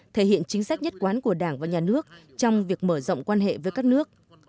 thể hiện chính sách nhất quán của đảng và nhà nước trong việc mở rộng quan hệ với các nước